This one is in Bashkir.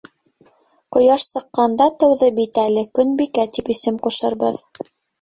— Ҡояш сыҡҡанда тыуҙы бит әле, Көнбикә тип исем ҡушырбыҙ.